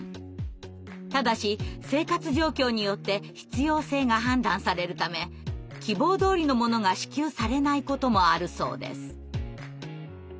ただし生活状況によって必要性が判断されるため希望どおりのものが支給されないこともあるそうです。